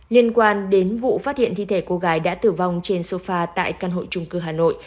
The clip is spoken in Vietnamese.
liên quan đến vụ phát hiện thi thể cô gái đã tử vong trên sofa tại căn hội trung cư hà nội